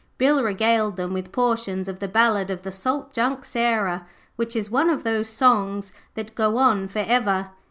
Bill regaled them with portions of the 'Ballad of the Salt Junk Sarah', which is one of those songs that go on for ever.